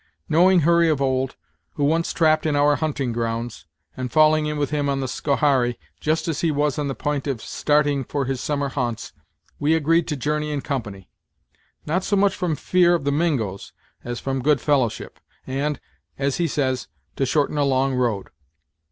Knowing Hurry of old, who once trapped in our hunting grounds, and falling in with him on the Schoharie, just as he was on the p'int of starting for his summer ha'nts, we agreed to journey in company; not so much from fear of the Mingos, as from good fellowship, and, as he says, to shorten a long road."